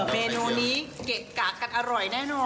เมนูนี้เกะกะกันอร่อยแน่นอน